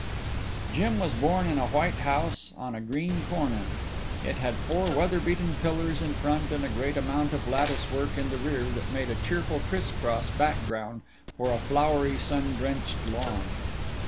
Jim was born in a white house on a green corner. It had four weather beaten pillars in front and a great amount of lattice work in the rear that made a cheerful criss cross background for a flowery sun drenched lawn.